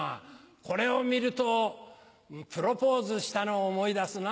これを見るとプロポーズしたのを思い出すな。